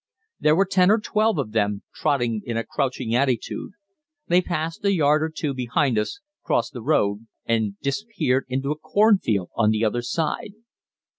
There were ten or twelve of them trotting in a crouching attitude. They passed a yard or two behind us, crossed the road, and disappeared into a corn field on the other side.